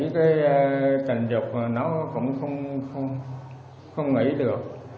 cái tình dục nó cũng không nghĩ được